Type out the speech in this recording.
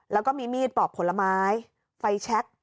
แล้วก็มีมีดปลอบผลไม้